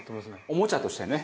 おもちゃとしてね。